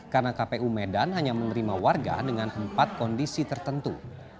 karena kpu medan hanya menerima warga dengan empat kondisi tertentu